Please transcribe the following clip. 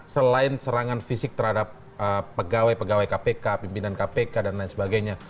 karena selain serangan fisik terhadap pegawai pegawai kpk pimpinan kpk dan lain sebagainya